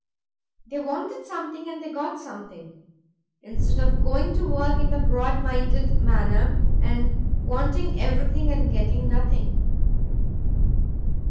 They wanted something and they got something; instead of going to work in the broad minded manner and wanting everything and getting nothing.